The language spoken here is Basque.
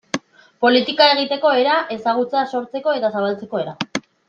Politika egiteko era, ezagutza sortzeko eta zabaltzeko era...